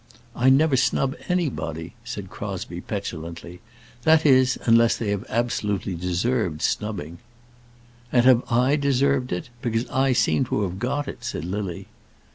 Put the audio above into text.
"I never snub anybody," said Crosbie, petulantly; "that is, unless they have absolutely deserved snubbing." "And have I deserved it? Because I seem to have got it," said Lily.